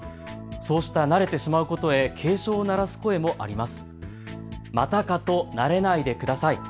そうした慣れてしまうことへ警鐘を鳴らす声もあります。